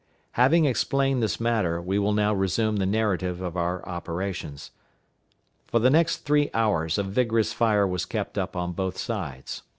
Having explained this matter, we will now resume the narrative of our operations. For the next three hours a vigorous fire was kept up on both sides.